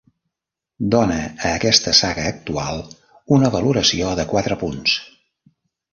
Dona a aquesta saga actual una valoració de quatre punts.